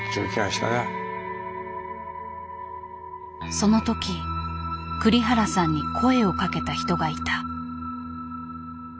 その時栗原さんに声をかけた人がいた。